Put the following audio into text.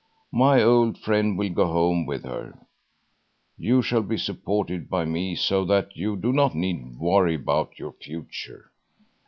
My old friend will go home with her. You shall be supported by me so that you do not need to worry about your future.